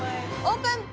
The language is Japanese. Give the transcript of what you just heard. オープン。